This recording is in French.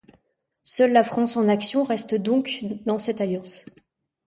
Seule la France en Action reste donc dans cette Alliance.